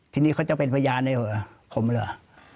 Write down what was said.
ทีนี้เขาจะเป็นพยานได้หรือผมหรือ